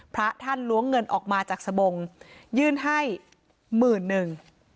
พระท่านล้วงเงินออกมาจากสบงยื่นให้หมื่นหนึ่ง